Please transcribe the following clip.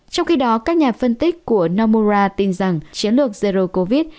trong khi đó các nhà phân tích của namora tin rằng chiến lược zero covid